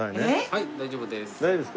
はい大丈夫です。